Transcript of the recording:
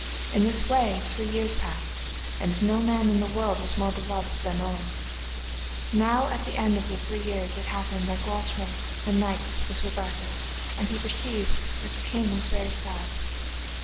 In this way three years passed, and no man in the world was more beloved than Owen. Now at the end of the three years it happened that Gwalchmai the knight was with Arthur, and he perceived the king to be very sad.